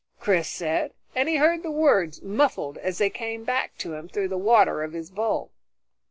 Chris said, and he heard the words muffled as they came back to him through the water of his bowl.